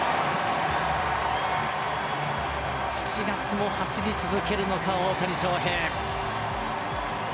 ７月も走り続けるのか大谷翔平。